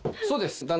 そうです。